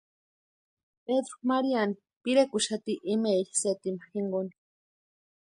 Pedru Maríani pirekuxati imaeri setima jinkoni.